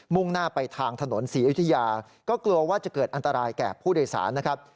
่งหน้าไปทางถนนศรีอยุธยาก็กลัวว่าจะเกิดอันตรายแก่ผู้โดยสารนะครับ